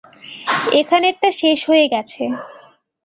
এখানেরটা শেষ হয়ে গেছে।